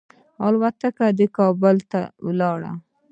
الوتکه کې کابل ته ولاړم.